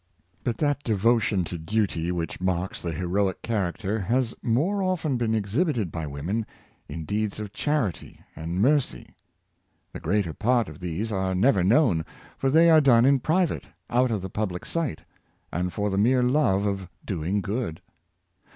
But that devotion to duty which marks the heroic character has more often been exhibited by women in deeds of charity and mercy. The greater part of these are never known, for they are done in private, out of the public sight, and for the mere love of doing good.